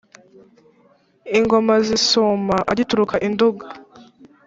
ingoma zisuma agituruka i nduga